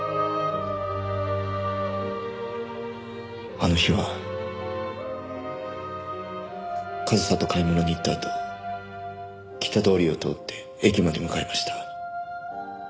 あの日は和沙と買い物に行ったあと北通りを通って駅まで向かいました。